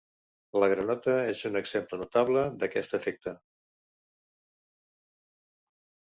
La granota és un exemple notable d'aquest efecte.